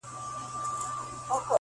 ما مي له پښتو سره پېیلې د نصیب ژبه -